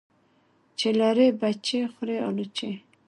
چی لری بچي خوري الوچی .